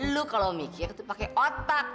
lo kalau mikir itu pakai otak